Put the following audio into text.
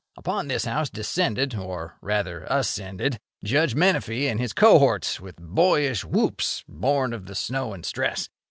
Upon this house descended—or rather ascended—Judge Menefee and his cohorts with boyish whoops born of the snow and stress.